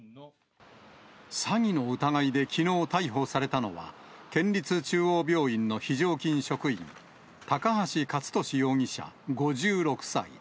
詐欺の疑いできのう、逮捕されたのは、県立中央病院の非常勤職員、高橋勝敏容疑者５６歳。